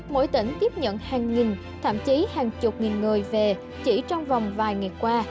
mỗi tỉnh tiếp nhận hàng nghìn thậm chí hàng chục nghìn người về chỉ trong vòng vài ngày qua